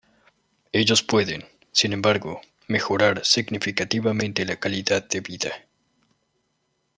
Ellos pueden, sin embargo, mejorar significativamente la calidad de vida.